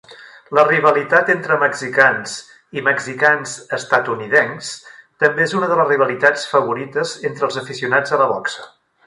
La rivalitat entre mexicans i mexicans estatunidencs també és una de les rivalitats favorites entre els aficionats a la boxa.